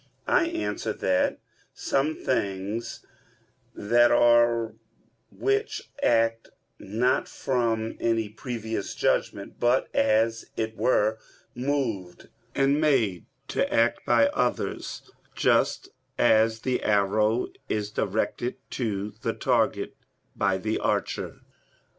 I answer that, Some things there are which act, not from any previous judgment, but, as it were, moved and made to act by others; just as the arrow is directed to the target by the archer.